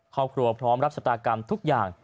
ครอบครัวพร้อมรับศตรากรรมทุกอย่าง